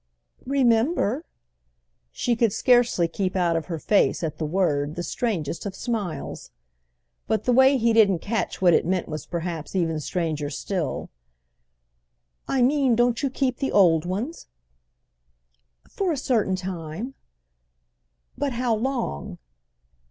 "Remember?" she could scarcely keep out of her face, at the word, the strangest of smiles. But the way he didn't catch what it meant was perhaps even stranger still. "I mean, don't you keep the old ones?" "For a certain time." "But how long?"